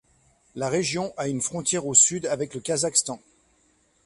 La région a une frontière au sud avec le Kazakhstan.